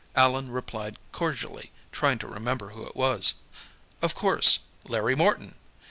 Allan replied cordially, trying to remember who it was. Of course; Larry Morton!